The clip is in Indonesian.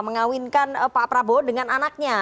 mengawinkan pak prabowo dengan anaknya